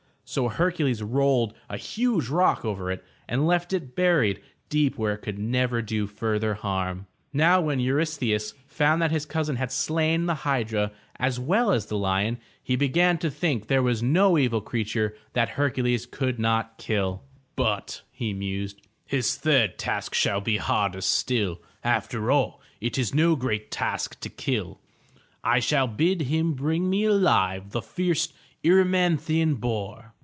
So Hercules rolled a huge rock over it, and left it buried deep where it could never do further harm. Now when Eurystheus found that his cousin had slain the hydra 426 THE TREASURE CHEST as well as the lion, he began to think there was no evil creature that Hercules could not kill. "But/^ he mused, ''his third task shall be harder still. After all it is no great task to kill. I shall bid him bring me alive the fierce Er y man'thi an boar.''